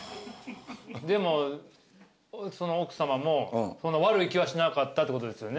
でもその奥さまも悪い気はしなかったってことですよね。